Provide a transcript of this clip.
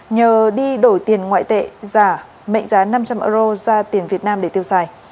nhờ đi đổi tiền ngoại tệ giả mệnh giá năm trăm linh euro ra tiền việt nam để tiêu xài